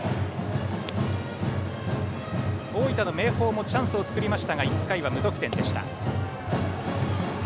大分の明豊もチャンスを作りましたが１回は無得点でした。